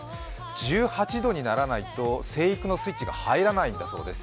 １８度にならないと生育のスイッチが入らないんだそうです。